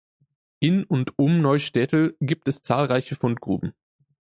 In und um Neustädtel gibt es zahlreiche Fundgruben.